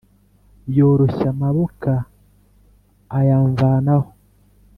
Yoroshya amaboka ayamvanaho,